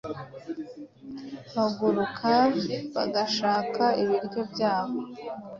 baguruka bagashaka ibiryo byabo: